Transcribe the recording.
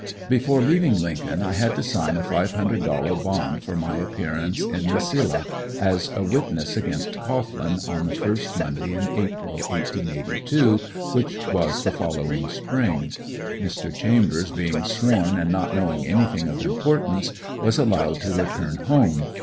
Before leaving Lincoln I had to sign a five hundred dollar bond for my appearance in Mesilla, as a witness against Cohglin, on the first Monday in April, 1882, which was the following spring. Mr. Chambers being sworn and not knowing anything of importance, was allowed to return home.